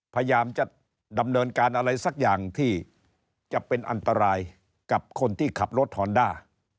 พยายามจะดำเนินการอะไรสักอย่างที่จะเป็นอันตรายกับคนที่ขับรถฮอนด้า